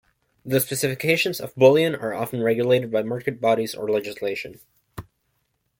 The specifications of bullion are often regulated by market bodies or legislation.